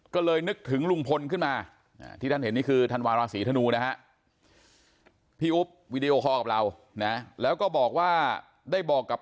ก็เลยนึกถึงลุงพลขึ้นมาที่ท่านเห็นนี่คือธันวาลาศรีธนูนะฮะพี่อุ๊ปวิดีโอคอล์กับเรานะแล้วก็บอกว่าได้บอกกับ